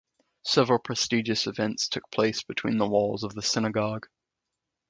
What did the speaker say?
Several prestigious events took place between the walls of the synagogue.